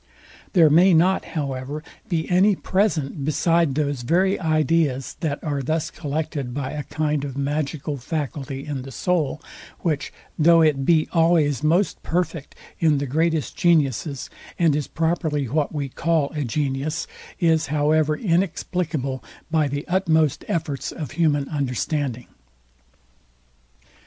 There may not, however, be any present, beside those very ideas, that are thus collected by a kind of magical faculty in the soul, which, though it be always most perfect in the greatest geniuses, and is properly what we call a genius, is however inexplicable by the utmost efforts of human understanding.